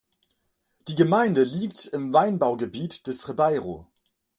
Die Gemeinde liegt im Weinbaugebiet des Ribeiro.